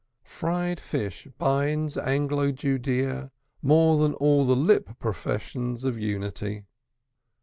Fried fish binds Anglo Judaea more than all the lip professions of unity.